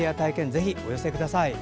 ぜひ、お寄せください。